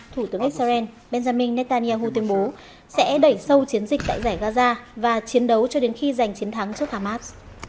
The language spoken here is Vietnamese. thủ tướng israel benjamin netanyahu tuyên bố sẽ đẩy sâu chiến dịch tại giải gaza và chiến đấu cho đến khi giành chiến thắng trước hamas